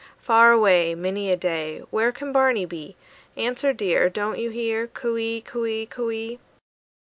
Far away, Many a day, Where can Barney be? Answer, dear, Don't you hear? "Coo ee, coo ee, coo ee!"